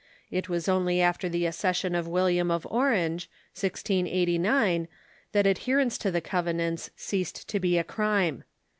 It was only after the accession of William of Orange (1689) that adherence to the Covenants ceased to be a crime.